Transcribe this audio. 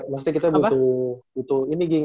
maksudnya kita butuh ini ging